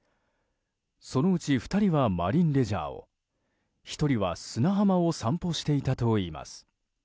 そのうち２人はマリンレジャーを１人は砂浜を散歩していたといいます。